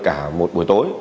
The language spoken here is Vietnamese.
sau đấy cả một buổi tối